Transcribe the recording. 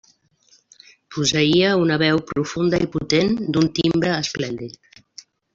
Posseïa una veu profunda i potent, d'un timbre esplèndid.